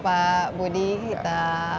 pak budi kita